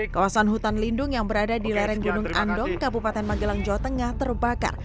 kawasan hutan lindung yang berada di lereng gunung andong kabupaten magelang jawa tengah terbakar